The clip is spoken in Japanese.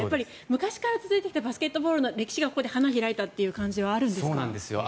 昔から続いてきたバスケットボールの歴史が、ここで花開いた感じがあるんですか。